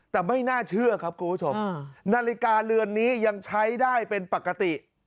แต่ไม่น่าเชื่อครับคุณผู้ชมนาฬิกาเรือนนี้ยังใช้ได้เป็นปกติ